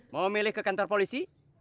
mau milih ke kantor polisi